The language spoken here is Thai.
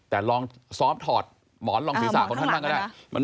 แต่ลองซอฟต์ถอดหมอนลองศีรษะของท่านบ้างก็ได้